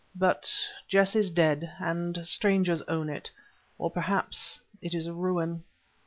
But Jess is dead, and strangers own it, or perhaps it is a ruin.